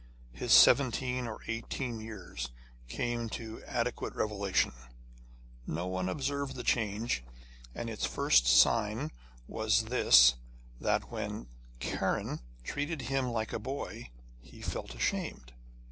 His seventeen or eighteen years came to adequate revelation. No one observed the change, and its first sign was this, that when Kiran treated him like a boy, he felt ashamed.